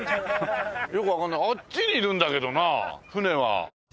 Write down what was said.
よくわかんないあっちにいるんだけどな船は。